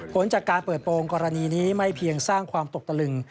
ผลจากการเปิดโปรงกรณีนี้ไม่เพียงสร้างความตกตะลึง